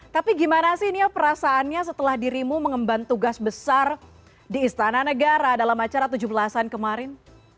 tapi gimana sih nia perasaannya setelah dirimu mengemban tugas besar di istana negara dalam acara tujuh belas an kemarin